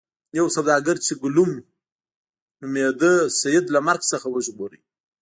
یو سوداګر چې کلوم نومیده سید له مرګ څخه وژغوره.